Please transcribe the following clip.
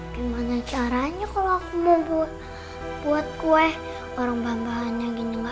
gimana caranya kalo aku mau buat kue orang bahan bahannya gini gak ada